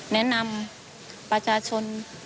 แนะนำประชาชน